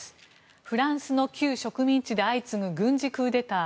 フランスの旧植民地で相次ぐ軍事クーデター。